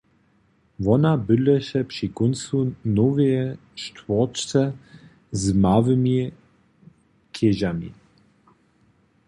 Wona bydleše při kóncu noweje štwórće z małymi chěžami.